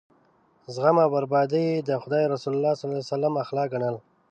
زغم او بردباري یې د خدای د رسول صلی الله علیه وسلم اخلاق ګڼل.